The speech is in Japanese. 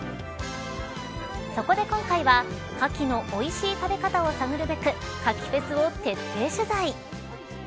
そこで今回はかきのおいしい食べ方を探るべく牡蠣フェスを徹底取材。